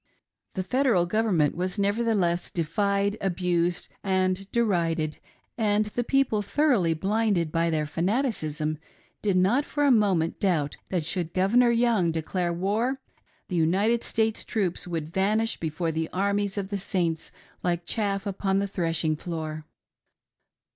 The Federal Government was nevertheless defied, abused, and derided, and the people, thoroughly blinded by their fanaticism, did not for a moihent doubt that should Governor Young "declare war" the United States troops would vanish before the "Armies" ©f the Saints like chaff upon the threshing floor.